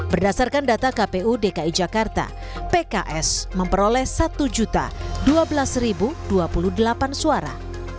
berdasarkan data kpu dki jakarta pks memperoleh satu dua belas dua puluh delapan suara